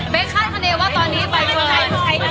ไม่คาดคณีว่าตอนนี้บายเฟิร์น